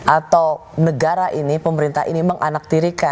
atau negara ini pemerintah ini menganaktirikan